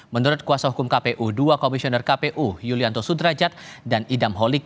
menurut kuasa hukum kpu dua komisioner kpu yulianto sudrajat dan idam holik